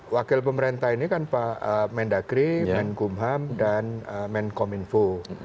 wakil pemerintah ini kan pak mendagri menkumham dan menkominfo